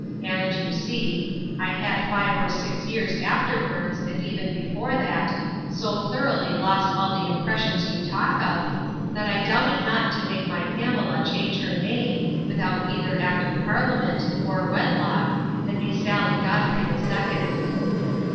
And, you see, I had five or six years afterwards, and even before that, so thoroughly lost all the impressions you talk of, that I doubted not to make my Pamela change her name, without either act of parliament, or wedlock, and be Sally Godfrey the second.